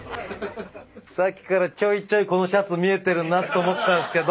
さっきからちょいちょいこのシャツ見えてるなと思ったんすけど。